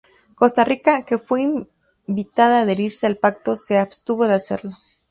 Costa Rica, que fue invitada a adherirse al pacto, se abstuvo de hacerlo.